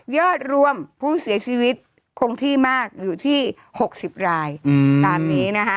อดรวมผู้เสียชีวิตคงที่มากอยู่ที่๖๐รายตามนี้นะคะ